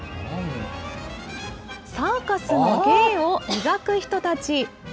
サーカスの芸を磨く人たち。